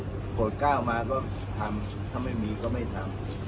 ก็ดูไปถ้าดูก็ดูก็มีกำสามโปรดก้าวมาก็ทำถ้าไม่มีก็ไม่ทำ